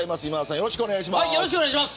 よろしくお願いします。